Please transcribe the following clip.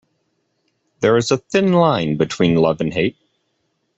There is a thin line between love and hate.